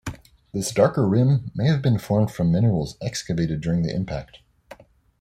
This darker rim may have been formed from minerals excavated during the impact.